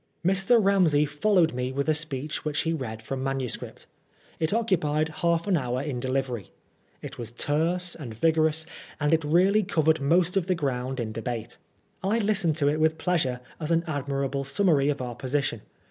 Mr. Ramsey followed me with a speech which he read from manuscript. It occupied half an hour in delivery. It was terse and vigorous, and it really <50vered most of the ground in debate. I listened to it with pleasure as an admirable summary of our position.